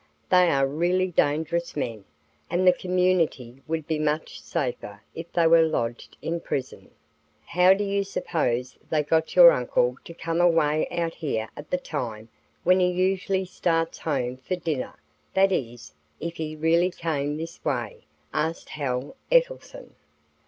They are really dangerous men, and the community would be much safer if they were lodged in prison." "How do you suppose they got your uncle to come away out here at the time when he usually starts home for dinner that is, if he really came this way?" asked Hal Ettelson.